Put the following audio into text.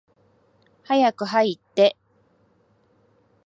早く入って。